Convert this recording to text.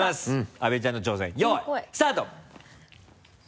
阿部ちゃんの挑戦よいスタート！